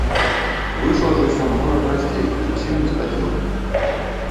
Выйшла ж усё многа прасцей і зусім неўспадзеўкі.